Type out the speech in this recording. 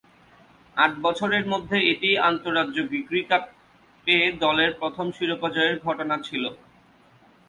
আট বছরের মধ্যে এটিই আন্তঃরাজ্য গ্রিগরি কাপে দলের প্রথম শিরোপা জয়ের ঘটনা ছিল।